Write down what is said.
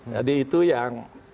jadi itu yang